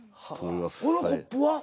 このコップは？